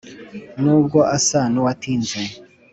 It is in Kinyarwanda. n’ubwo asa n’uwatinze